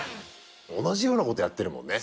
同じようなことやってるもんね。